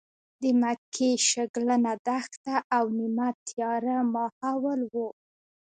د مکې شګلنه دښته او نیمه تیاره ماحول و.